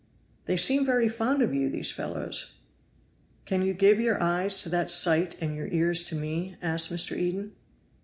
"They seem very fond of you, these fellows." "Can you give your eyes to that sight and your ears to me?" asked Mr. Eden.